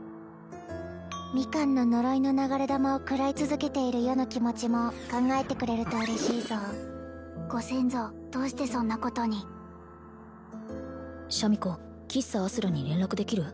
ミカンの呪いの流れ弾を食らい続けている余の気持ちも考えてくれると嬉しいぞご先祖どうしてそんなことにシャミ子喫茶あすらに連絡できる？